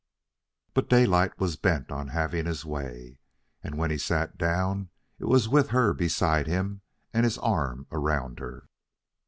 But Daylight was bent on having his way, and when he sat down it was with her beside him and his arm around her.